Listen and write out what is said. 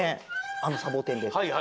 あのサボテンです。